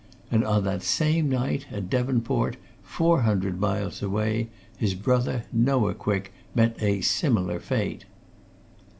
And on that same night, at Devonport, four hundred miles away, his brother, Noah Quick, met a similar fate."